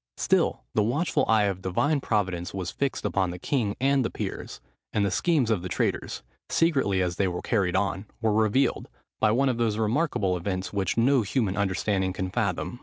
Still the watchful eye of Divine providence was fixed upon the king and the peers; and the schemes of the traitors, secretly as they were carried on, were revealed, by one of those remarkable events, which no human understanding can fathom.